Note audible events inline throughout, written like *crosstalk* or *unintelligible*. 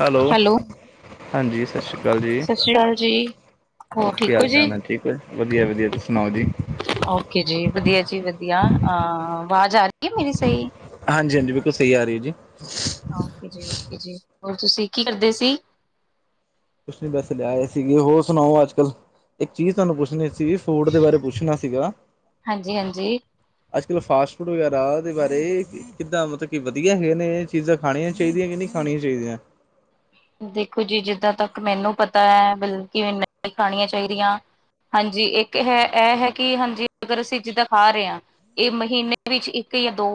Hello ਹਾਂਜੀ ਸਤਿ ਸ਼੍ਰੀ ਅਕਾਲ ਜੀ ਸਤਿ ਸ੍ਰੀ ਅਕਾਲ ਜੀ ਹੋਰ ਕੀ ਠੀਕ ਹੋ ਹਾਲ ਜੀ ਚਾਲ ਹੈ ਠੀਕ ਹੈ ਜੀ ਵਧੀਆ ਵਧੀਆ ਤੁਸੀਂ ਸੁਣਾਓ ਜੀ ਓਕੇ ਜੀ ਵਧੀਆ ਜੀ ਵਧੀਆ ਅਹ ਆਵਾਜ਼ ਆ ਰਹੀ ਮੇਰੀ ਸਈ ਹਾਂਜੀ ਹਾਂਜੀ ਬਿਲਕੁਲ ਸਹੀ ਆ ਰਹੀ ਹੈ ਜੀ ਓਕੇ ਜੀ ਓਕੇ ਜੀ ਹੋਰ ਤੁਸੀਂ ਕੀ ਕਰਦੇ ਸੀ। ਕੁਛ ਨੀ ਵੈਸੇ ਜਾ ਆਏ ਸੀਗੇ ਹੋਰ ਸੁਣਾਓ ਅੱਜ ਕੱਲ ਇੱਕ ਚੀਜ਼ ਤੁਹਾਨੂੰ ਪੁੱਛਣੀ ਸੀ। ਫੂਡ ਦੇ ਬਾਰੇ ਪੁੱਛਣਾ ਸੀਗਾ। ਹਾਂਜੀ ਹਾਂਜੀ ਅੱਜ ਕੱਲ ਫਾਸਟ ਫੂਡ ਵਗੈਰਾ ਦੇ ਬਾਰੇ ਕਿੱਦਾਂ ਮਤਲਬ ਕਿ ਵਧੀਆ ਹੈਗੇ ਨੇ ਏ ਚੀਜ਼ਾਂ ਖਾਣੀਆਂ ਚਾਹੀਦੀਆਂ ਕਿ ਨਹੀਂ ਖਾਣੀਆਂ ਚਾਹੀਦੀਆਂ। ਦੇਖੋ ਜੀ ਜਿੱਦਾਂ ਤੱਕ ਮੈਨੂੰ ਪਤਾ ਹੈ ਬਲਕਿ ਨਹੀਂ ਖਾਣੀਆਂ ਚਾਹੀਦੀਆਂ। ਹਾਂਜੀ ਇੱਕ ਹੈ ਐ ਹੈ ਕਿ ਹਾਂਜੀ ਅਗਰ ਅਸੀਂ ਜਿੱਦਾਂ ਖਾ ਰਹੇ ਹਾਂ ਇਹ ਮਹੀਨੇ ਵਿੱਚ ਇੱਕ ਜਾਂ ਦੋ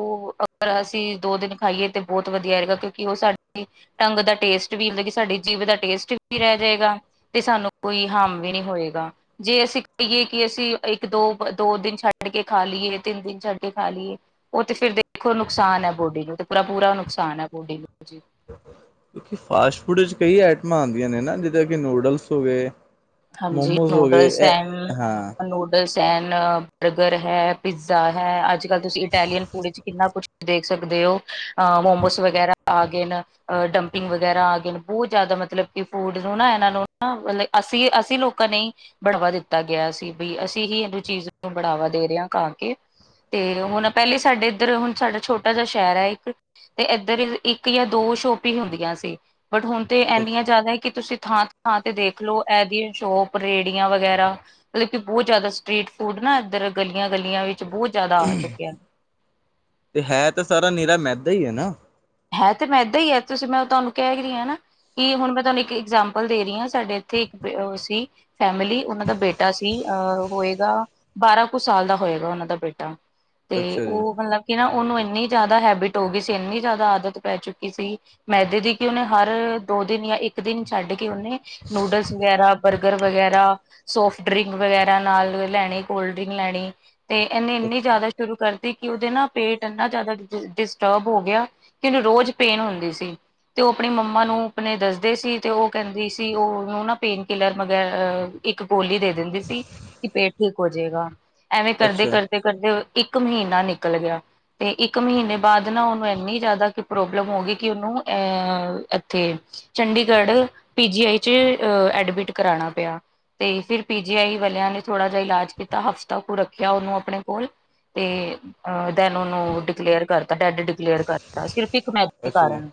ਅਗਰ ਅਸੀਂ ਦੋ ਦਿਨ ਖਾਈਏ ਤੇ ਬਹੁਤ ਵਧੀਆ ਹੈਗਾ ਕਿਉਂ ਕਿ ਉਹ ਸਾਡੀ ਟੰਗ ਦਾ ਟੇਸਟ ਵੀ ਹੁੰਦਾ ਮਤਲਬ ਕਿ ਸਾਡੀ ਜੀਭ ਦਾ ਟੇਸਟ ਵੀ ਰਹਿ ਜਾਏਗਾ। ਤੇ ਸਾਨੂੰ ਕੋਈ ਹਾਮ ਵੀ ਨੀ ਹੋਏਗਾ। ਜੇ ਅਸੀਂ ਕਹੀਏ ਕਿ ਅਸੀਂ ਇੱਕ ਦੋ ਦੋ ਦਿਨ ਛੱਡ ਕੇ ਖਾ ਲਈਏ ਤਿੰਨ ਦਿਨ ਛੱਡ ਕੇ ਖਾ ਲਈਏ। ਉਹ ਤੇ ਫਿਰ ਦੇਖੋ ਨੁਕਸਾਨ ਹੈ ਬੋਡੀ ਨੂੰ ਤੇ ਪੂਰਾ ਪੂਰਾ ਨੁਕਸਾਨ ਹੈ ਬੋਡੀ ਨੂੰ ਫਾਸਟ ਫੂਡ ਵਿੱਚ ਕਈ ਆਈਟਮਾਂ ਆਉਂਦੀਆਂ ਨੇ ਨਾ ਜਿੱਦਾਂ ਕਿ ਨੂਡਲਸ ਹੋ ਗਏ। ਹਾਂਜੀ ਮੋਮੋਸ ਹੋ ਗਏ ਇਹ ਹਾਂ ਦ ਸੈਨ ਬਰਗਰ ਹੈ ਪੀਜ਼ਾ ਹੈ ਅੱਜ ਕੱਲ੍ਹ ਤੁਸੀਂ ਇਟੈਲੀਅਨ ਫੂਡ ਵਿੱਚ ਕਿੰਨਾ ਕੁਛ ਦੇਖ ਸਕਦੇ ਹੋ ਅ ਮੋਮੋਸ ਵਗੈਰਾ ਆ ਗਏ ਨੇ ਡੰਪਿੰਗ ਵਗੈਰਾ ਆ ਗਏ ਬਹੁਤ ਜਿਆਦਾ ਮਤਲਬ ਕਿ ਫੂਡ ਨੂੰ ਨਾ ਇਹਨਾਂ ਨੂੰ ਅਸੀਂ ਅਸੀਂ ਲੋਕਾਂ ਨੇ ਹੀ ਬੜਾਵਾ ਦਿੱਤਾ ਗਿਆ ਸੀ ਬਈ ਅਸੀਂ ਹੀ ਇਹਨੂੰ ਚੀਜ਼ ਨੂੰ ਬੜਾਵਾ ਦੇ ਰਹੇ ਹਾਂ ਖਾ ਕੇ ਤੇ ਹੁਣ ਪਹਿਲੇ ਸਾਡੇ ਇੱਧਰ ਹੁਣ ਸਾਡਾ ਛੋਟਾ ਜਿਹਾ ਸ਼ਹਿਰ ਹੈ ਇੱਕ ਤੇ ਇੱਧਰ ਇੱਕ ਜਾਂ ਦੋ ਸ਼ੋਪਿੰਗ ਹੀ ਹੁੰਦੀਆਂ ਸੀ ਬਟ ਹੁਣ ਤੇ ਇੰਨੀਆਂ ਜ਼ਿਆਦਾ ਕਿ ਤੁਸੀਂ ਥਾਂ ਥਾਂ ਤੇ ਦੇਖਲੋ ਇਹਦੀਆਂ ਸ਼ੋਪ ਰੇਹੜੀਆਂ ਵਗੈਰਾ ਮਤਲਬ ਕਿ ਬਹੁਤ ਜ਼ਿਆਦਾ ਸਟਰੀਟ ਫੂਡ ਨਾ ਇੱਧਰ ਗਲੀਆਂ ਗਲੀਆਂ ਵਿੱਚ ਬਹੁਤ ਜ਼ਿਆਦਾ ਆ ਚੁੱਕਿਆ। ਤੇ ਹੈ ਤਾਂ ਸਾਰਾ ਨਿਰਾ ਮੈਦਾ ਹੀ ਹੈ ਨਾ ਹੈ ਤੇ ਇਹ ਤੇ ਮੈਦਾ ਹੀ ਹੈ ਤੁਸੀਂ ਮੈਂ ਤੁਹਾਨੂੰ ਕਹਿ ਹਿ ਰੀ ਏ ਨਾ ਕੀ ਹੁਣ ਮੈਂ ਤੁਹਾਨੂੰ ਇੱਕ ਇਗਜਾਮਪਲ ਦੇ ਰਹੀ ਹਾਂ ਸਾਡੇ ਇੱਥੇ ਇੱਕ ਉਹ ਸੀ ਫੈਮਿਲੀ ਉਹਨਾਂ ਦਾ ਬੇਟਾ ਸੀ ਅਹ ਹੋਏਗਾ ਬਾਰਾਂ ਕੁ ਸਾਲ ਦਾ ਹੋਏਗਾ ਉਹਨਾਂ ਦਾ ਬੇਟਾ ਤੇ ਅੱਛਾ ਜੀ ਉਹ ਮਤਲਬ ਕਿ ਨਾ ਉਹਨੂੰ ਇੰਨੀ ਜ਼ਿਆਦਾ ਹੈਬਿਟ ਹੋ ਗਈ ਸੀ ਇੰਨੀ ਜ਼ਿਆਦਾ ਆ ਪੈ ਚੁੱਕੀ ਸੀ ਮੈਦੇ ਦੀ ਕਿ ਉਹਨੇ ਹਰ ਦੋ ਦਿਨ ਜਾਂ ਇੱਕ ਦਿਨ ਛੱਡ ਕੇ ਕਿ ਉਹਨੇ ਨੂਡਲਸ ਵਗੈਰਾ ਬਰਗਰ ਵਗੈਰਾ ਸੋਫਟ ਡਰਿੰਕ ਵਗੈਰਾ ਨਾਲ ਲੈਣੀ ਕੋਲਡ ਡਰਿੰਕ ਲੈਣੀ ਤੇ ਇਹਨੇ ਇੰਨੀ ਅੱਛਾ ਜ਼ਿਆਦਾ ਸ਼ੁਰੂ ਕਰਤੀ ਕਿ ਉਹਦੇ ਨਾ ਪੇਟ ਇੰਨਾ ਜ਼ਿਆਦਾ ਡਿਸਟਰਬ ਹੋ ਗਿਆ ਕਿਨੂੰ ਰੋਜ਼ ਪੇਨ ਹੁੰਦੀ ਸੀ ਤੇ ਉਹ ਆਪਣੀ ਮੰਮਾ ਨੂੰ ਆਪਣੇ ਦੱਸਦੇ ਸੀ ਤੇ ਉਹ ਕਹਿੰਦੀ ਸੀ ਉਹਨੂੰ ਨਾ ਪੇਨ ਕਿਲਰ ਵਗੈਰਾ ਇੱਕ ਗੋਲੀ ਦੇ ਦਿੰਦੀ ਸੀ ਕਿ ਪੇਟ ਠੀਕ ਹੋ ਜਾਏਗਾ ਐਵੇਂ ਕਰਦੇ ਅੱਛਾ ਕਰਦੇ ਕਰਦੇ ਇੱਕ ਮਹੀਨਾ ਨਿਕਲ ਗਿਆ ਤੇ ਇੱਕ ਮਹੀਨੇ ਬਾਅਦ ਨਾ ਉਹਨੂੰ ਇੰਨੀ ਜ਼ਿਆਦਾ ਪ੍ਰੋਬਲਮ ਹੋ ਗਈ ਕਿ ਉਹਨੂੰ ਅਹ ਇੱਥੇ ਚੰਡੀਗੜ੍ਹ ਪੀਜੀੀ ਆਈ ਚ ਅਹ ਐਡਮਿਟ ਕਰਾਉਣਾ ਪਿਆ ਤੇ ਫਿਰ ਪੀਜੀੀ ਆਈ ਵਾਲਿਆਂ ਨੇ ਥੋੜਾ ਜ ਇਲਾਜ ਕੀਤਾ ਹਫਤਾ ਕੁ ਰੱਖਿਆ ਉਹਨੂੰ ਆਪਣੇ ਕੋਲ ਤੇ ਅ ਦੈਨ ਉਹਨੂੰ ਡਿਕਲੇਅਰ ਕਰਤਾ ਡੈਡ ਡਿਕਲੇਅਰ ਕਰਤਾ ਸਿਰਫ ਇੱਕ ਮੈ ਦੇ ਅੱਛਾ ਜੀ ਕਾਰਨ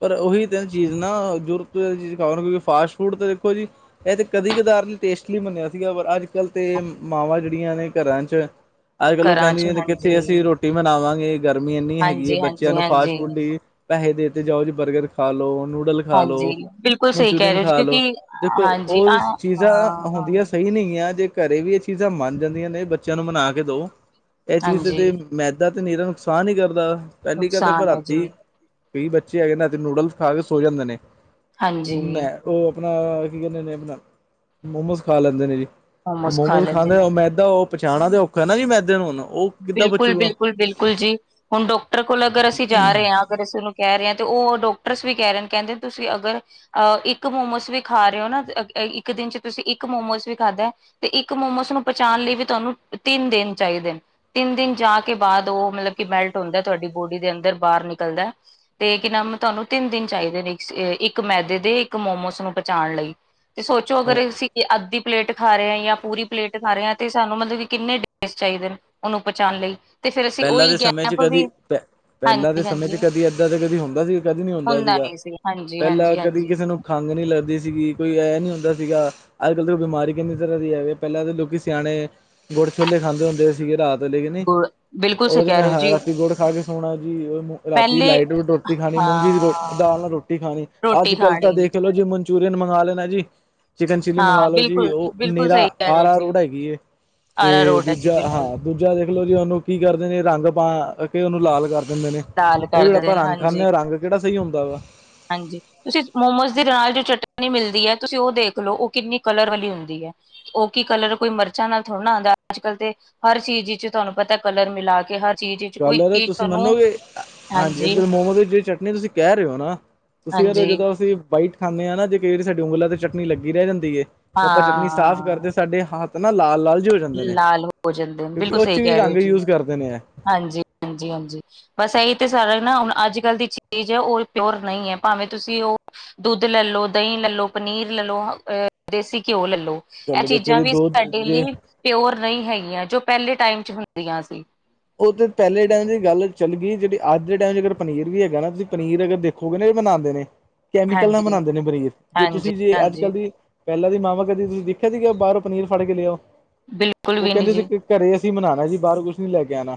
ਪਰ ਉਹੀ ਤਿੰਨ ਚੀਜ਼ ਨਾ ਜ਼ਰੂਰਤ ਤੋਂ ਇਹ ਚੀਜ਼ ਖਾਓ ਕਿਉਂਕਿ ਫਾਸਟ ਫੂਡ ਤਾਂ ਦੇਖੋ ਜੀ ਇਹ ਤੇ ਕਦੀ ਕਧਾਰ ਲੀ ਟੇਸਟ ਲੀ ਬਨਿਆ ਸੀਗਾ ਪਰ ਅੱਜ ਕੱਲ੍ਹ ਤੇ ਮਾਵਾਂ ਜਿਹੜੀਆਂ ਨੇ ਘਰਾਂ ਚ *inaudible* ਅੱਜ ਕੱਲ੍ਹ ਉਹ ਚ ਕਹਿੰਦੀ ਹੈ ਕਿੱਥੇ ਅਸੀਂ ਹਾਂਜੀ ਰੋਟੀ ਮਨਾਵਾਂਗੇ ਗਰਮੀ ਇੰਨੀ ਹੈਗੀ ਹੈ ਹਾਂਜੀ ਬੱਚਿਆਂ ਹਾਂਜੀ ਨੂੰ ਫਾਸਟ ਹਾਂਜੀ ਫੂੱਡ ਦੀ ਪੈਸੇ ਦੇ ਤੇ ਜਾਓ ਜੀ ਬਰਗਰ ਖਾ ਲੋ ਨੂਡਲ ਖਾ ਹਾਂਜੀ ਲਓ ਬਿਲਕੁਲ ਸਹੀ ਕਹਿ ਮਨਚੂਰੀਅਨ ਰਹੇ ਹੋ ਜੀ ਖਾ ਲ ਲੋ ਕਿਉਂਕਿ ਦੇਖੋ ਹਾਂਜੀ ਆ ਉਹ ਹਾਂ ਚੀਜ਼ਾਂ ਹਾਂ ਹੁੰਦੀਆਂ ਸਹੀ ਨਹੀਂ ਹੈ ਜੇ ਘਰੇ ਵੀ ਇਹ ਚੀਜ਼ਾਂ ਮੰਨ ਜਾਂਦੀਆਂ ਨੇ ਬੱਚਿਆਂ ਨੂੰ ਮਨਾ ਕੇ ਦੋ ਇਹ ਚੀਜ਼ ਤੇ ਹਾਂਜੀ ਮੈਦਾ ਤਾਂ ਨਿਰਾ ਨੁਕਸਾਨ ਹੀ ਕਰਦਾ ਪਹਿਲੀ ਗਲ ਤੇ ਅਪਾ ਨੁਕਸਾਨ ਹੈ ਜੀ ਰਾਤੀ ਕਈ ਬੱਚੇ ਹੈਗੇ ਨਾ ਅਤੇ ਨੂਡਲਸ ਖਾ ਕੇ ਸੋ ਜਾਂਦੇ ਨੇ ਹਾਂਜੀ ਮੈਂ ਉਹ ਆਪਣਾ ਕੀ ਕਹਿੰਦੇ ਨੇ ਆਪਣਾ ਮੋਮੋਸ ਖਾ ਲੈਂਦੇ ਨੇ ਜੀ ਮੋਮੋਸ ਖਾ ਮੌਮੋਜ਼ ਲੈਂਦੇ ਖਾਂਦੇ ਨੇ ਉਹ ਮੈਦਾ ਉਹ ਪਛਾਣਣਾ ਔਖਾ ਨਾ ਜੀ ਮੈਦੇ ਨੂੰਣ ਉਹ ਕਿੱਦਾਂ ਬਿਲਕੁਲ ਬਚੂਗਾ ਬਿਲਕੁਲ ਬਿਲਕੁਲ ਜੀ ਹੁਣ ਡਾਕਟਰ ਕੋਲ ਅਗਰ ਅਸੀਂ ਜਾ ਰਹੇ ਹਾਂ ਅਸੀ ਉਂਨੂੰ ਕਹਿ ਰਹੇ ਤੇ ਉਹ ਡੋਕਟਰਸ ਵੀ ਕਹਿ ਰਹੇ ਨੇ ਕਹਿੰਦੇ ਤੁਸੀਂ ਅਗਰ ਅ ਇੱਕ ਮੋਮੋਸ ਵੀ ਖਾ ਰੇ ਓ ਨਾ ਇੱਕ ਦਿਨ 'ਚ ਤੁਸੀ ਇੱਕ ਮੋਮੋਸ ਵੀ ਖਾਧੈ ਤੇ ਇੱਕ ਮੋਮੋਸ ਨੂੰ ਪਚਾਨ ਲਈ ਵੀ ਤੁਆਨੂੰ ਤਿੰਨ ਦਿਨ ਚਾਈਦੇ ਨ। ਤਿੰਨ ਦਿਨ ਜਾ ਕੇ ਬਾਦ ਓ ਮਤਲਬ ਕਿ ਮੈਲਟ ਹੁੰਦੈ ਤੁਆਡੀ ਬੋਡੀ ਦੇ ਅੰਦਰ ਬਾਹਰ ਨਿਕਲਦੈ। ਤੇ ਕੀ ਨਮ ਤੁਆਨੂੰ ਤਿੰਨ ਦਿਨ ਚਾਈਦੇ ਨੇ ਇਕ ਅ ਇੱਕ ਮੈਦੇ ਦੇ ਇੱਕ ਮੋਮੋਸ ਨੂੰ ਪਹਚਾਉਣ ਲਈ। ਤੇ ਸੋਚੋ ਅਗਰ ਅਸੀ ਤੇ ਅੱਧੀ ਪਲੇਟ ਖਾ ਰੇ ਆਂ ਯਾਂ ਪੂਰੀ ਪਲੇਟ ਖਾ ਰੇ ਆਂ ਤੇ ਸਾਨੂੰ ਮਤਲਬ ਕਿ ਕਿੰਨੇ ਡੇਸ ਚਾਈਦੇ ਨ ਓਨੂੰ ਪਹੁੰਚਾਨ ਲਈ। ਤੇ ਫਿਰ ਅਸੀਂ ਪੈਲਾਂ ਉਹੀ ਦੇ ਸਮੇਂ 'ਚ ਗੈਪ ਕਦੀ ਵੀ ਪ ਪੈਲਾਂ ਦੇ ਹਾਂਜੀ ਸਮੇਂ 'ਚ ਹਾਂਜੀ ਕਦੀ ਏਦਾਂ ਤੇ ਕਦੀ ਹੁੰਦਾ ਸੀ, ਕਦੀ ਨੀ ਹੁੰਦਾ ਸੀਗਾ। ਨਹੀਂ ਸੀ ਹਾਂਜੀ ਪੈਲਾਂ ਹਾਂਜੀ ਕਦੀ ਹਾਂਜੀ ਕਿਸੇ ਨੂੰ ਖੰਘ ਨੀ ਲੱਗਦੀ ਸੀਗੀ ਕੋਈ ਐ ਨੀ ਹੁੰਦਾ ਸੀਗਾ ਆੱਜ-ਕਾੱਲ ਤੇ ਬਿਮਾਰੀ ਕਿੰਨੀ ਤਰ੍ਹਾਂ ਦੀ ਐ ਵੇ ਪੈਲਾਂ ਦੇ ਲੋਕੀ ਸਿਆਣੇ ਗੁੜ ਛੋਲੇ ਖਾਂਦੇ ਹੁੰਦੇ ਸੀਗੇ ਰਾਤ ਦ ਲੇ ਗੀ ਨੀ ਬਿਲਕੁਲ ਸਹੀ ਓਦੇ ਕਹਿ ਰਹੇ ਹੋ ਨਾਲ *unintelligible* ਜੀ ਰਾਤੀ ਗੁੜ ਖਾ ਕੇ ਸੋਣਾ ਜੀ। ਓਨੂੰ ਰਾਤੀ ਪਹਿਲੇ ਲਾਈਟ ਵੀ ਦੋਟੀ ਖਾਣੀ ਮੂੰਗੀ ਦੀ ਰੋ ਦਾਲ ਹਾਂ ਨਾਲ ਰੋ ਟੀ ਖਾਣੀ। ਰੋਟੀ ਆੱਜ-ਕਾੱਲ ਤਾਂ ਖਾਣੀ ਦੇਖ ਲੋ ਜੀ ਮਨਚੂਰੀਅਨ ਮੰਗਵਾ ਲੈਣਾ ਜੀ ਚਿਕਨ ਚਿੱਲੀ ਮੰਗਾ ਹਾਂ ਲੋ ਜੀ। ਬਿਲਕੁਲ ਓ ਬਿਲਕੁਲ ਨੀਰਾ ਸਹੀ ਕਹਿ ਰਹੇ ਹੋ ਜੀ ਆਰਾਰੋਡ ਹੈਗੀ ਏ ਆਰਾ ਤੇ ਰੋਟ ਹੈ ਜੀ ਦੂਜਾ ਹਾਂ ਬਿਲਕੁਲ ਦੂਜਾ ਦੇਖ ਲੋ ਜੀ ਹੂਨ ਓ ਕੀ ਕਰਦੇ ਨੇ ਰੰਗ ਪਾ ਕੇ ਓਨੂੰ ਲਾਲ ਕਰ ਦਿੰਦੇ ਨੇ ਦਾਲ ਓ ਕਰ ਜੜਾ ਦਿੰਦੇ ਆਪਾਂ ਨੇ ਰੰਗ ਹਾਂਜੀ ਖਾਂਨੇ ਆਂ, ਰੰਗ ਕੇੜਾ ਸਈ ਹੁੰਦਾ ਵਾ। ਹਾਂਜੀ। ਤੁਸੀ ਮੋਮੋਸ ਦੀ ਲਾਲ ਜੀ ਚਟਨੀ ਮਿਲਦੀ ਐ ਤੁਸੀ ਓ ਦੇਖ ਲੋ ਓ ਕਿੰਨੀ ਕਲਰ ਵਾਲੀ ਹੁੰਦੀ ਐ ਓ ਕੀ ਕਲਰ ਕੋਈ ਮਿਰਚਾਂ ਨਾਲ ਥੋੜਾ ਨਾ ਆਂਦੈ, ਆੱਜ-ਕਾੱਲ ਤੇ ਹਰ ਚੀਜ ਇੱਚ ਤੁਆਨੂੰ ਪਤੈ ਕਲਰ ਮਿਲਾ ਕੇ ਹਰ ਚੀਜ਼ ਵਿੱਚ ਕੋਈ ਕਲਰ ਏ ਚੀਜ਼ ਤੁਸੀ ਤੁਹਾਨੂੰ ਮੰਨੋਗੇ ਹਾਂਜੀ ਆੱਜ-ਕਾੱਲ ਮੋਮੋਸ ਦੀ ਜੜੀ ਚਟਨੀ ਤੁਸੀ ਕੈ ਰੇ ਓ ਨਾ ਤੁਸੀ ਯਦੇ ਹਾਂਜੀ ਜਦੋਂ ਅਸੀ ਬਾਈਟ ਖਾਣੇ ਆਂ ਨਾ ਜੇ ਕਈ ਵਾਰੀ ਸਾਡੀ ਉਂਗਲਾਂ ਤੇ ਚਟਨੀ ਲੱਗੀ ਰੈ ਜਾਂਦੀ ਏ ਤੇ ਆਪਾਂ ਚਟਨੀ ਸਾਫ਼ ਕਰਦੇ ਹਾਂ ਸਾਡੇ ਹੱਥ ਨਾ ਲਾਲ-ਲਾਲ ਜੇ ਹੋ ਜਾਂਦੇ ਨੇ ਲਾਲ ਹੋ ਜਾਂਦੇ ਨੇ। ਕਿਉਂਕਿ ਬਿਲਕੁਲ ਉਹ ਸਈ 'ਚ ਵੀ ਕੈ ਰੇ ਓ ਰੰਗ ਜੀ। ਯੂਜ ਕਰਦੇ ਨੇ ਹਾਂਜੀ, ਹਾਂਜੀ, ਹਾਂਜੀ। ਬਸ ਐਈ ਤੇ ਸਾਰਾ ਨਾ ਹੁਨ ਆੱਜ-ਕਾੱਲ ਦੀ ਚੀਜ ਐ ਓ ਪਿਓਰ ਨਈ ਐ ਭਾਵੇਂ ਤੁਸੀਂ ਓ ਦੁੱਧ ਲੈਲ ਲੋ, ਦਈਂ ਲੱਲ ਲੋ, ਪਨੀਰ ਲੱਲ ਲੋ, ਅ ਦੇਸੀ ਘਿਓ ਲੱਲ ਲੋ ਐ ਚਲੋ ਦੇਖੋ ਚੀਜਾਂ ਜੀ ਵੀ ਦੋ ਸਾਡੇ ਜੇ ਲਈ ਪਿਓਰ ਨਈ ਹੈਗੀਆਂ, ਜੋ ਪੈਲੇ ਟਾਈਮ 'ਚ ਹੁੰਦੀਆਂ ਸੀ। ਓ ਤੇ ਪੈਲੇ ਟਾਈਮ ਦੀ ਗੱਲ ਚੱਲ ਗੀ ਜੜੀ ਆੱਜ ਦੇ ਟਾਈਮ ਅਗਰ ਪਨੀਰ ਵੀ ਹੈਗਾ ਨਾ ਤੁਸੀ ਪਨੀਰ ਅਗਰ ਦੇ ਖੋਗੇ ਨਾ ਯੋ ਬਨਾਂਦੇ ਨੇ ਕੈਮੀਕਲ ਨਾਲ ਹਾਂਜੀ ਬਨਾਂਦੇ ਨੇ ਪਨੀਰ। ਜੇ ਹਾਂਜੀ ਤੁਸੀ ਜੇ ਹਾਂਜੀ ਆੱਜ-ਕਾੱਲ ਦੀ ਪੈਲਾਂ ਦੀ ਮਾਵਾਂ ਕਦੀ ਤੁਸੀ ਵੇਖੀਆਂ ਸੀਗਾਆਂ ਬਾਰੋਂ ਪਨੀਰ ਫੜ ਕੇ ਲਿਆਓ। ਬਿਲਕੁਲ ਓ ਵੀ ਨੀ ਕੈਂਦੇ ਸੀ ਜੀ ਘਰੇ ਅਸੀ ਬਨਾਣਾ ਜੀ ਬਾਰੋਂ ਕੁਛ ਨੀ ਲੈ ਕੇ ਆਣਾ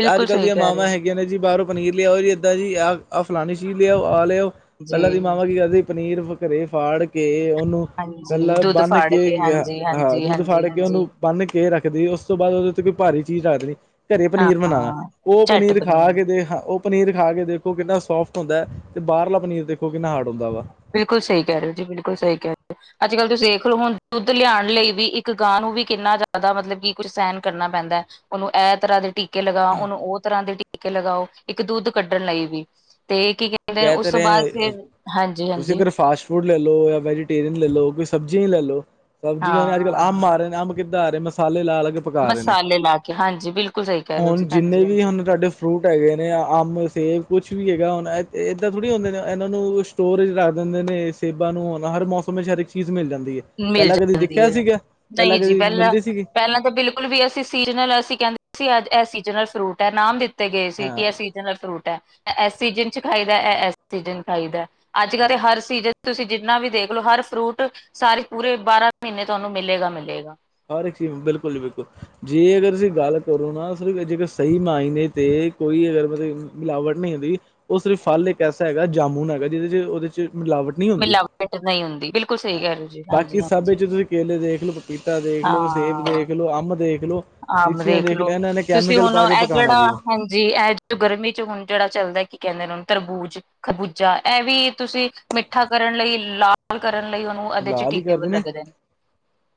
ਤੇ ਆੱਜ-ਕਾੱਲ ਸਹੀ ਦੀਆਂ ਕਹਿ ਰਹੇ ਮਾਵਾਂ ਹੋ ਹੈਗੀਆਂ ਨੇ ਜੀ ਬਾਰੋਂ ਪਨੀਰ ਲਿਆਓ ਜੀ ਏਦਾਂ ਜੀ ਆ ਫਲਾਣੀ ਚੀਜ਼ ਲੇ ਆਓ, ਆ ਲੇ ਆਓ। ਪੈਲਾਂ ਦੀ ਜੀ ਮਾਵਾਂ ਕੀ ਕਰਦੇ ਪਨੀਰ ਵ ਘਰੇ ਫਾੜ ਕੇ ਓਨੂੰ ਇਕੱਲਾ ਹਾਂਜੀ ਦੁੱਧ ਬੰਨ ਫਾੜ ਕੇ ਗਿਆ ਹਾਂਜੀ ਹਾਂ ਹਾਂਜੀ ਦੁੱਧ ਹਾਂਜੀ ਫਾੜ ਕੇ ਹਾਂਜੀ ਓਨੂੰ ਬੰਨ੍ਹ ਕੇ ਰੱਖਦੀ ਏ। ਓਸ ਤੋਂ ਬਾਦ ਓਦੇ ਉੱਤੇ ਕੋਈ ਭਾਰੀ ਚੀਜ਼ ਰੱਖ ਦੇਨੀ। ਘਰੇ ਹਾਂ ਪਨੀਰ ਬਨਾਨਾ। ਓ ਝੱਟ ਪਨੀਰ ਬਣੀ ਖਾ ਕੇ ਤੇ ਹ ਓ ਪਨੀਰ ਖਾ ਕੇ ਦੇਖੋ ਕਿੰਨਾ ਸੋਫਟ ਹੁੰਦੈ ਤੇ ਬਾਹਰਲਾ ਪਨੀਰ ਦੇਖੋ ਕਿੰਨਾ ਹਾਰਡ ਹੁੰਦੈ ਵਾ। ਬਿਲਕੁਲ ਸਈ ਕੈ ਰੇ ਓ ਜੀ, ਬਿਲਕੁਲ ਸਈ ਕੈ ਰੇ ਓ। ਆੱਜ-ਕਾੱਲ ਤੁਸੀ ਏਖ ਲੋ ਹੁਣ ਦੁੱਧ ਲਿਆਣ ਲਈ ਵੀ ਇੱਕ ਗਾਂ ਨੂੰ ਵੀ ਕਿੰਨਾ ਜ਼ਿਆਦਾ ਮਤਲਬ ਕਿ ਕੁਝ ਸੈਣ ਕਰਨਾ ਪੈਂਦੈ। ਓਨੂੰ ਐ ਤਰ੍ਹਾਂ ਦੇ ਟੀ ਕੇ ਲਗਾ, ਓਨੂੰ ਓ ਤਰ੍ਹਾਂ ਦੇ ਟੀਕੇ ਲਗਾਓ। ਇੱਕ ਦੁੱਧ ਕੱਢਣ ਲਈ ਵੀ ਤੇ ਕੀ ਕੀ ੜੇ ਉਸ ਤੋਂ ਬਾਦ ਫੇਰ ਹਾਂਜ ਤੁਸੀ ਅਗਰ ਫਾਸਟ ਫੂਡ ਲੱਲ ਲੋ ਯਾਂ ਵੈਜੀਟੇਰੀਅਨ ਲੱਲ ਲੋ, ਕੋਈ ਸਬਜ਼ੀਆਂ ਈ ਲੱਲ ਲੋ ਸਬਜ਼ੀਆਂ ਨੇ। ਹਾਂ। ਆੱਜ-ਕਾੱਲ ਅੰਬ ਆ ਰੇ ਨੇ। ਅੰਬ ਕਿੱਦਾਂ ਆ ਰੇ? ਮਸਾਲੇ ਲਾ ਲਾ ਕੇ ਪਕਾ ਰਹੇ ਨੇ ਮਸਾਲੇ ਲਾ ਕੇ ਹਾਂਜੀ ਬਿਲਕੁਲ ਸਹੀ ਕਹਿ ਰਹੇ ਹੋ ਹੁਣ ਜੀ ਜਿੰਨੇ ਹਾਂਜੀ ਵੀ ਹਾਂਜੀ। ਹਨ ਤੁਹਾਡੇ। ਫਰੂਟ ਹੈਗੇ ਨੇ ਅੰਬ ਸੇਬ ਕੁਛ ਵੀ ਹੈਗਾ ਹੁਣ ਇਹ ਇਹ ਇੱਦਾਂ ਥੋੜ੍ਹੀ ਹੁੰਦੇ ਨੇ ਇਹਨਾਂ ਨੂੰ ਸਟੋਰ ਇਚ ਰੱਖ ਦਿੰਦੇ ਨੇ ਸੇਬਾਂ ਨੂੰ ਅਨਾਰ ਮੌਸਮ ਵਿੱਚ ਹਰ ਇੱਕ ਚੀਜ਼ ਮਿਲ ਜਾਂਦੀ ਹੈ। ਮਿਲ ਪਹਿਲਾਂ ਕਦੀ ਜਾਂਦੀ ਦੇਖਿਆ ਹੈ ਸੀਗਾ ਨਹੀਂ ਜੀ ਕਦੀ ਪਹਿਲਾਂ ਮਿਲਦੀ ਸੀਗੀ ਪਹਿਲਾਂ ਤਾਂ ਬਿਲਕੁਲ। ਹੁਣ ਵੀ ਅਸੀਂ ਸੀਜਨਲ ਅਸੀਂ ਕਹਿੰਦੇ ਸੀ ਅੱਜ ਇਹ ਸੀਜਨਲ ਫਰੂਟ ਹੈ ਨਾਮ ਦਿੱਤੇ ਗਏ ਸੀ ਹਾਂ ਕਿ ਅਸੀਂ। ਓਰਿਜਿਨਲ ਫਰੂਟ ਹੈ ਇਸ ਸੀਜਨ ਚ ਖਾਈਦਾ ਇਹ ਇਸ ਸੀਜਨ ਚ ਖਾਈਦਾ ਅੱਜ ਹਾਂ ਕੱਲ੍ਹ ਹਰ ਸੀਜਨ। ਤੁਸੀਂ ਜਿੰਨਾ ਵੀ ਦੇਖਲੋ ਹਰ ਫਰੂਟ ਸਾਰੇ ਪੂਰੇ ਬਾਰਾਂ ਮਹੀਨੇ ਤੁਹਾਨੂੰ ਮਿਲੇਗਾ ਮਿਲੇਗਾ। ਹਰ ਇੱਕ ਚੀਜ਼ ਬਿਲਕੁਲ ਜੀ ਬਿਲਕੁਲ। ਜੇ ਅਗਰ ਤੁਸੀਂ ਗੱਲ ਕਰੋ ਨਾ ਅਸਲ ਵਿੱਚ ਜੇਕਰ ਸਹੀ ਮਾਇਨੇ ਤੇ ਕੋਈ ਅਗਰ ਮਤਲਬ ਮਿਲਾਵਟ ਨਹੀਂ ਹੁੰਦੀ। ਉਹ ਸਿਰਫ ਫਲ ਇੱਕ ਐਸਾ ਹੈਗਾ ਜਾਮੁਨ ਹੈਗਾ ਜਿਹਦੇ ਚ ਉਹਦੇ ਚ ਮਿਲਾਵਟ। ਨੀ ਹੁੰਦੀ ਮਿਲਾਵਟ ਨਹੀਂ ਹੁੰਦੀ ਬਿਲਕੁਲ ਸਹੀ ਕਹਿ ਰਹੇ ਹੋ ਜੀ ਬਾਕੀ ਹਾਂਜੀ ਸਭ ਹਾਂਜੀ ਵਿੱਚ ਤੁਸੀਂ ਕੇਲੇ ਦੇਖ ਲਓ ਪਪੀ। ਪਪੀਤਾ ਦੇਖ ਲੋ, ਸੇਬ ਹਾਂ ਦੇਖ ਲਓ, ਅੰਬ ਦੇਖਲੋ, ਆਮ ਲੀਚੀਆ ਦੇਖ ਲੋ ਇਹਨਾਂ ਨੇ ਤੁਸੀਂ ਕੈਮੀਕਲ ਹੁਣ ਪਾ ਕੇ ਇਹ ਪਕਾਉਣਾ ਜਿਹੜਾ ਜੀ। ਹਾਂਜੀ ਇਹ ਜਿਹੜਾ ਗਰਮੀ ਚ ਹੁਣ ਜਿਹੜਾ ਚੱਲਦਾ ਕੀ ਕਹਿੰਦੇ ਨੇੁ ਉਹਨੂੰ ਤਰਬੂਜ। ਖਬੂਜਾ ਇਹ ਵੀ ਤੁਸੀਂ ਮਿੱਠਾ ਕਰਨ ਲਈ ਲਾਲ ਕਰਨ ਲਈ ਉਹਨੂੰ ਉਹ ਉਦੇ ਵਿੱਚ ਲਾਲ ਹੀ ਟੀਕੇ ਕਰਦੇ ਵੀ ਨੇ ਲੱਗਦੇ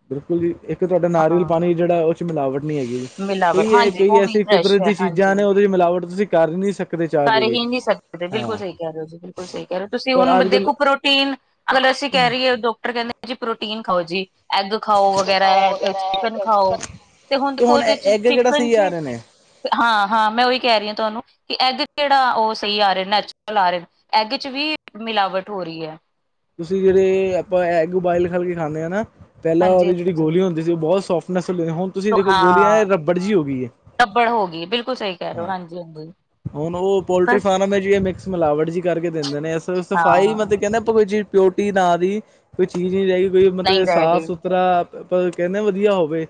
ਬਿਲਕੁਲ ਜੀ ਇੱਕ ਤੁਹਾਡਾ ਨਾਰੀਅਲ ਹਾਂ ਪਾਣੀ ਜਿਹੜਾ ਉਹ 'ਚ ਮਿਲਾਵਟ ਨਹੀਂ ਹੈਗੀ ਜੀ ਮਿਲਾਵਟ ਕਈ ਇਹ ਹਾਂਜੀ ਕਈ ਉਹ ਵੀ ਐਸੀ। ਫਰੈਸ਼ ਕੁਦਰਤ ਹੈ ਦੀ ਹਾਂਜੀ ਚੀਜ਼ਾਂ ਨੇ ਉਹਦੇ ਚ ਮਿਲਾਵਟ ਤੁਸੀਂ ਕਰ ਨਹੀਂ ਸਕਦੇ ਚਾਹ ਕੇ ਕਰ ਵੀ ਹੀ ਨਹੀਂ ਸਕਦੇ ਬਿਲਕੁਲ ਹਾਂ। ਸਹੀ ਕਹਿ ਰਹੇ ਹੋ ਜੀ ਬਿਲਕੁਲ ਸਹੀ ਕਹਿ ਰਹੇ ਤੁਸੀਂ ਉਨੂੰ ਪਰ ਅੱਜ ਬਦੇ। ਕੱਲ੍ਹ ਉਹ ਪ੍ਰੋਟੀਨ ਅਗਰ ਅਸੀਂ ਕਹਿ ਰਹੀਏ ਡਾਕਟਰ ਕਹਿੰਦੇ ਜੀ ਪ੍ਰੋਟੀਨ ਖਾਓ ਜੀ। ਐਗ ਖਾਓ ਉਹ ਵਗੈਰਾ ਚਿਕਨ ਖਾਓ ਹੈ ਤੇ ਹੁਣ ਦੇਖੋ ਉਹਦੇ ਚ ਐਗ ਕਿਹੜਾ ਚਿਕਨ ਸਹੀ ਆ ਚ। ਰਹੇ ਨੇ ਹਾਂ ਹਾਂ ਮੈਂ ਉਹੀ ਕਹਿ ਰਹੀ ਹਾਂ ਤੁਹਾਨੂੰ ਕਿ ਐਗ ਕਿਹੜਾ ਉਹ ਸਹੀ ਆ ਰਿਹਾ ਨੈਚੁਰਲ ਆ ਰਹੇ ਨੇ। ਐਗ ਚ ਵੀ ਮਿਲਾਵਟ ਹੋ ਰਹੀ ਹੈ। ਤੁਸੀਂ ਜਿਹੜੇ ਆਪਾਂ ਐਗ ਬੋਆਇਲ ਕਰਕੇ ਖਾਣੇ ਆ ਨਾ ਪਹਿਲਾਂ ਉਹਦੇ ਚ। ਦੀ ਹਾਂਜੀ-ਹਾਂਜੀ ਗੋਲੀ ਹੁੰਦੀ ਸੀ ਉਹ ਬਹੁਤ ਸੋਫਟਨੈਸ ਹੁੰਦੀ ਹੁਣ ਤੁਸੀਂ ਦੇਖੋ ਗੋਲੀ ਇਹ ਹਾਂ ਰਬੜ ਜਿਹੀ ਹੋ ਗਈ ਹੈ ਰਬੜ ਹੋ ਗਈ ਬਿਲਕੁਲ ਸਹੀ ਕਹਿ ਰਹੇ ਹੋ ਹਾਂ ਹਾਂਜੀ ਹਾਂਜੀ। ਹੁਣ ਉਹ ਪੋਲਟਰੀ ਫਾਰਮ ਹੈ ਜ ਮਿਕਸ ਮਿਲਾਵਟ ਜਿਹੀ ਕਰਕੇ ਦਿੰਦੇ ਨੇ ਸਫਾਈ ਮਤਲਬ ਹਾਂ ਕਹਿੰਦੇ। ਕੋਈ ਚੀਜ਼ ਪਿਓਰਟੀ ਨਾ ਦੀ ਕੋਈ ਚੀਜ਼ ਨਹੀਂ ਰਹਿ ਗਈ ਕੋਈ ਮਤਲਬ ਨਹੀਂ ਰਹਿ ਸਾਫ਼ ਗਈ ਸੁਥਰਾ ਅ ਬ ਕਹਿੰਦੇ ਵਧੀਆ ਹੋਵੇ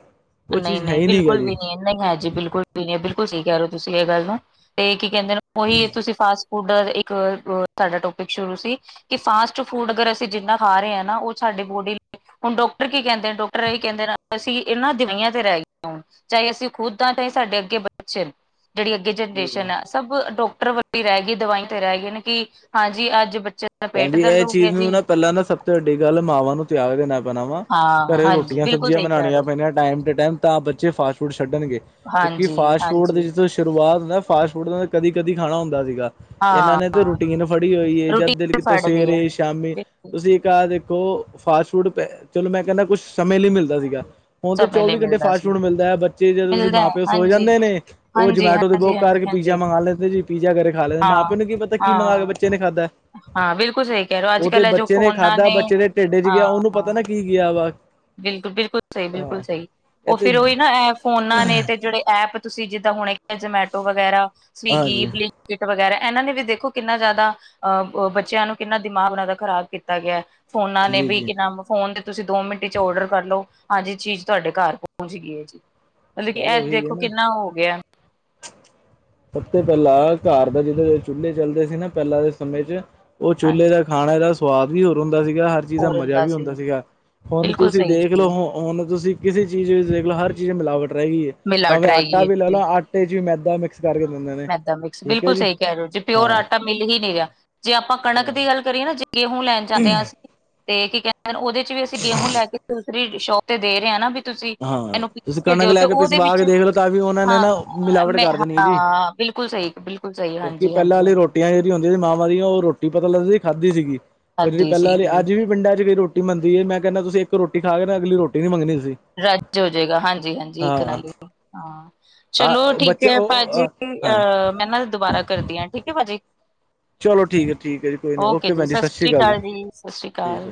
ਉਹ ਚੀਜ਼ ਹੈ ਨਹੀਂ-ਨਹੀਂ ਹੀ ਨੀ ਗ ਬਿਲਕੁਲ ਜੀ ਵੀ ਨਹੀਂ ਨਹੀਂ ਹੈਜੀ ਬਿਲਕੁਲ ਵੀ ਨੀ ਬਿਲਕੁਲ ਸਹੀ ਕਹਿ ਰਹੇ ਤੁਸੀਂ ਇਹ ਗੱਲ ਨੂੰ ਤੇ ਕੀ ਕਹਿੰਦੇ ਉਹੀ ਤੁਸੀਂ ਫਾਸਟ ਉਧਰ ਇੱਕ ਤੁਹਾਡਾ ਟੋਪਿਕ ਸ਼ੁਰੂ ਸੀ। ਕਿ ਫਾਸਟ ਫੂਡ ਅਗਰ ਅਸੀਂ ਜਿੰਨਾ ਖਾ ਰਹੇ ਹਾਂ ਨਾ ਉਹ ਸਾਡੀ ਬੋਡੀ ਲਈ ਹੁਣ ਡਾਕਟਰ ਕੀ ਕਹਿੰਦੇ ਨੇ ਡਾਕਟਰ ਇਹੀ ਕਹਿੰਦੇ ਨੇ ਅਸੀਂ ਇਨਾ ਦਵਾਈਆਂ ਤੇ ਰਹਿ ਗਈਆਂ ਹੋਣ ਚਾਹੇ ਅਸੀਂ ਖੁਦ ਹਾਂ ਚਾਹੇ ਸਾਡੇ ਅੱਗੇ ਬੱਚੇ ਜਿਹੜੀ ਅੱਗੇ ਜੀ ਜਨਰੇਸ਼ਨ ਹੈ। ਸਭ ਡਾਕਟਰ ਵੱਡੇ ਰਹਿ ਗਈ ਦਵਾਈ ਤੇ ਰਹਿ ਗਏ ਕਿ ਹਾਂਜੀ ਅੱਜ ਬੱਚੇ ਦਾ ਪੇਟ ਭੈਣਜੀ ਦਰਦ ਇਹ ਹੋ ਗਿਆ ਚੀਜ਼ ਨੂੰ ਜੀ ਨਾ ਪਹਿਲਾਂ ਨਾ ਸਭ ਤੋਂ ਵੱਡੀ ਗੱਲ ਮਾਵਾਂ ਨੂੰ ਤਿਆਗ ਦੇ ਨਾਲ ਬਣਾਵਾ ਹਾਂ ਘਰੇ ਹਾਂਜੀ ਰੋਟੀਆਂ ਬਿਲਕੁਲ ਸਬਜ਼ੀਆਂ ਸਹੀ ਕਹਿ ਰਹੇ ਬਣਾਉਣੀਆਂ ਹੋ ਪੈਣੀਆਂ ਟਾਈਮ ਟੂ ਟਾਈਮ ਤਾਂ ਬੱਚੇ ਫਾਸਟ ਫੂਡ ਛੱਡਣਗੇ। ਕਿਉਂਕਿ ਫਾਸਟ ਫੂਡ ਤੇ ਹਾਂਜੀ-ਹਾਂਜੀ ਜਿਸ ਤਰ੍ਹਾਂ ਸ਼ੁਰੂਆਤ ਨਾ ਫਾਸਟ ਫੂਡ ਕਦੀ ਕਦੀ ਖਾਣਾ ਹੁੰਦਾ ਸੀਗਾ ਇਹਨਾਂ ਹਾਂ ਨੇ ਤਾਂ ਰੂਟੀਨ ਫੜੀ ਹੋਈ ਹੈ ਜਦ ਦਿਲ ਰੂਟੀਨ ਤਾਂ ਫੜ ਲਈ ਹੈ ਸਵੇਰੇ ਸ਼ਾਮੀ ਬਿਲਕੁਲ ਤੁ ਠੀਕ ਆ ਦੇਖੋ ਫਾਸਟ ਫੂਡ ਚਲੋ ਮੈਂ ਕਹਿੰਦਾ ਕੁਛ ਸਮੇਂ ਲਈ ਮਿਲਦਾ ਸੀਗਾ। ਹੁਣ ਤੇ ਸਮੇਂ ਲਈ ਚੌਵੀ ਘੰਟੇ ਮਿਲਦਾ ਫਾਸਟ ਸੀ ਫੂਡ ਮਿਲਦਾ ਹੈ। ਬੱਚੇ ਜਦੋ ਤੁਸੀਂ ਮਿਲਦਾ ਮਾਂ ਹੈ ਪਿਓ ਸੋ ਹਾਂਜੀ ਜਾਂਦੇ ਨੇ ਉਹ ਹਾਂਜੀ ਜਮੈਟੋ ਦੇ ਬਕੁ ਹਾਂਜੀ ਹਾਂਜੀ ਕਰਕੇ ਪੀ ਹਾਂਜੀ ਪੀਜ਼ਾਂ ਮੰਗਵਾ ਲੈਂਦੇ ਜੀ ਪੀਜ਼ਾ ਘਰੇ ਖਾ ਲੈਂਦੇ ਹਾਂ ਮਾਂ ਪਓ ਨੂੰ ਕੀ ਪਤਾ ਕੀ ਮੰਗਾ ਕੇ ਹਾਂ ਬੱਚੇ ਨੇ ਖਾਧਾ। ਹਾਂ ਬਿਲਕੁਲ ਸਹੀ। ਕਹਿ ਰਹੇ ਹੋ ਅੱਜ ਉਹ ਤੇ ਕੱਲ ਜੋ ਬੱਚੇ ਨੇ ਫੋਨਾਂ ਖਾਧਾ। ਬੱਚੇ ਦੇ ਢਿੱਡ ਚ ਗਿਆ। ਉਹਨੂੰ ਪਤਾ ਨਾ ਹਾਂ ਕੀ ਗਿਆ ਵਾ ਬਿਲਕੁਲ ਬਿਲਕੁਲ ਸਹੀ, ਬਿਲਕੁਲ ਹਾਂ ਸਹੀ, ਇਹ ਉਹ ਤੇ ਫੇਰ ਉਹੀ ਨਾ ਇਹ ਫੋਨਾ ਨੇ ਤੇ ਜਿਹੜੇ ਐਪ ਤੁਸੀਂ ਜੀਦਾਂ ਹੁਣੇ ਜਮੈਟੋ ਵਗੈਰਾ ਸਵੀਗੀ ਹਾਂਜੀ ਫਲੀ ਕਿਟ ਵਗੈਰਾ ਐਨਾਂ ਨੇ ਵੀ ਦੇਖੋ ਕੀਨਾ ਜਾਦਾ ਆ ਬੱਚੇਆਂ ਨੂੰ ਕੀਨਾ ਦਿਮਾਗ ਓਨਾਂ ਦਾ ਖ਼ਰਾਬ ਕੀਤਾ ਗੇਆ। ਫੋਨਾ ਨੇ ਜੀ ਵੀ ਜੀ ਕੇ ਨ ਫੋਨ ਤੇ ਤੁਸੀਂ ਦੋ ਮੀ ਚ ਔਡਰ ਕਰਲੋ ਹਾਂਜੀ ਚੀਜ਼ ਧਾਡੇ ਘਰ ਪਹੁੰਚ ਗਈ ਐ ਜੀ। ਮਤਲਬ ਕਿ ਗੱਲ ਇਹ ਓਹੀ ਏ ਦੇਖੋ ਨਾ। ਕਿੰਨਾ ਹੋ ਗਿਆ ਸਭ ਤੋਂ ਪੈਲਾਂ ਘਰ ਦਾ ਜਦੋਂ ਚੁਲੇ ਚੱਲਦੇ ਸੀ ਨਾ ਪੈਲਾਂ ਦੇ ਸਮੇਂ ਚ ਓ ਚੁਲੇ ਹਾਂਜੀ ਦਾ ਖਾਣਾ ਦਾ ਸਵਾਦ ਵੀ ਹੋਰ ਹੁੰਦਾ ਸੀਗਾ ਹਰ ਚੀਜ਼ ਦਾ ਫੋਰਨ ਮਜ਼ਾ ਵੀ ਸੀ ਔਦਾ ਸੀਗਾ ਹੁਣ ਬਿਲਕੁਲ ਤੁਸੀਂ ਸਹੀ ਦੇਖ ਜੀ ਲੋ ਹ ਹੁਣ ਤੁਸੀਂ ਕੀਸੀ ਚੀਜ਼ ਵਿੱਚ ਦੇਖ ਲੋਓ ਹਰ ਚੀਜ਼ ਮੀਲਾਵਟ ਰੈ ਗਈ ਐ ਮਿਲਾਵਟ ਭਾਵੇਂ ਆਟਾ ਰਹੇਗੀ ਵੀ ਲੈ ਲਓ ਆਟੇ ਚ ਵੀ ਮੈਦਾ ਮੀਕਸ ਕਰ ਵੀ ਦੇਂਦੇ ਮੈਂਦਾਂ ਮੀਕਸ ਬਿਲਕੁਲ ਸਈ ਕੈ ਰਏ ਓ ਜੇ ਪੀਓਰ ਆਟਾ ਮਿਲ ਈ ਨਈ ਰੇਆਲਜੇ ਆਪਾਂ ਕਣਕ ਹਾਂ। ਦੀ ਗੱਲ ਕਰੀਏ ਨਾ ਗੇਹੂ ਲੈਣ ਜਾਂਦੇ ਆ ਅਸ ਤੇ ਕੀ ਕੈਂਦੇ ਓਦੇ ਚ ਵੀ ਅਸੀਂ ਗੇਹੂ ਲੈ ਕੇ ਦੀ ਸ਼ੋਪ ਤੇ ਦੇ ਰਏ ਆ ਨਾ ਵੀ ਤੁਸੀਂ ਹਾਂ ਐ, ਨੂੰ ਪੀਸ ਤੁਸੀਂ ਕੇ ਕਣਕ ਦਿਓ ਤੇ ਲੈ ਓਦੇ ਪਿਸਵਾ ਵਿੱਚ, ਕੇ ਦੇਖ ਲਓ ਤਾਂ ਵੀ ਉਹਨਾਂ ਨੇ ਹਾਂ ਨਾ ਮਿਲਾਵਟ ਮੈਂ ਕਰ ਦੇਣੀ ਹੈ ਜੀ। ਹਾਂ ਬਿਲਕੁਲ ਸਈ ਬਿਲਕੁਲ ਸਈ ਹਾਂਜੀ-ਹਾਂਜੀ-ਹਾਂਜੀ। ਹੁੰਦੀ ਸੀ ਮਾ ਦੀ ਓ ਰੋਟੀ ਪਤਾ ਲੱਗਦੀ ਸੀ ਖਾਧੀ ਸੀਗੀ ਓ ਹੱਦ ਜੇੜੀ ਹੀ ਪੈਲਾਂ ਵਾਲੀ ਸੀਗੀ ਅੱਜ ਵੀ ਪਿੰਡਾਂ ਚ ਕਈ ਰੋਟੀ ਰੋ ਬੰਦੀ ਹੈ ਮੈਂ ਕੈਂਨਾ ਤੁਸੀ ਏਕ ਰੋਟੀ ਖਾ ਕੇ ਨਾ ਅਗਲੀ ਰੋਟੀ ਨੀ ਮੰਗਣੀ ਤੁਸੀਂ। ਰੱਜ ਹੋਜੇਗਾ ਹਾਂ ਹਾਂਜੀ-ਹਾਂਜੀ ਏ ਤੇ ਹੈ ਹਾਂ ਈ ਏ ਚਲੋ ਆ ਠੀਕ ਬੱਚੇ ਐ ਉਹ ਭਾਜੀ ਹਾਂ ਆ ਮੈਂ ਨਾ ਦੁਬਾਰਾ ਕਰਦੀਆਂ ਠੀਕ ਆ ਠੀਕ ਆ ਭਾਜੀ। ਚਲੋ ਠੀਕ ਹੈ ਠੀਕ ਹੈ ਜੀ ਕੋਈ ਨਹੀਂ ਓਕੇ ਜੀ, ਭੈਣ ਸਤਿ ਸ਼੍ਰੀ ਸਸਰੀ ਅਕਾਲ ਕਾਲ ਜੀ ਸਾਸੀ ਠੀਕ ਅਕਾਲ। ਸਤਿ ਸ਼੍ਰੀ